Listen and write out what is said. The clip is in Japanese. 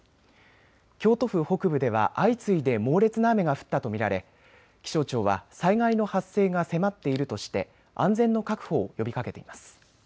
京都府北部では相次いで猛烈な雨が降ったと見られ気象庁は災害の発生が迫っているとして安全の確保を呼びかけています。